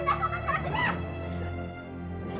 biar dapatnya berlipat lipat